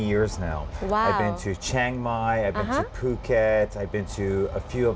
ฉันมาที่ช่างมายพุเก็ตและกันกันกันกันกันกัน